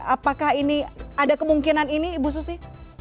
apakah ini ada kemungkinan ini ibu susi